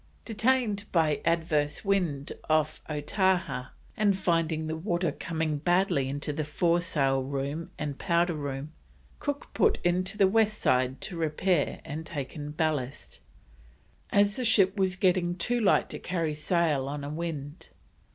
Detained by adverse wind off Ataha, and finding the water coming badly into the fore sail room and powder room, Cook put into the west side to repair and take in ballast, as the ship was getting too light to carry sail on a wind.